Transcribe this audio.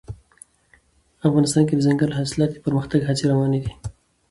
افغانستان کې د دځنګل حاصلات د پرمختګ هڅې روانې دي.